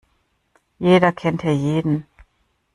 Jeder kennt hier jeden.